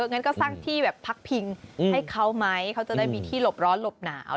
งั้นก็สร้างที่แบบพักพิงให้เขาไหมเขาจะได้มีที่หลบร้อนหลบหนาว